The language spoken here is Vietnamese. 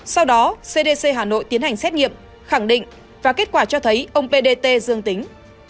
sau đó cdc hà nội tiến hành xét nghiệm khẳng định và kết quả cho thấy ông p d t dương tính